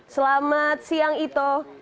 selamat siang itu